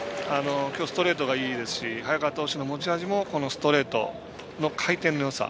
きょう、ストレートがいいですし早川投手の持ち味もこのストレートの回転のよさ。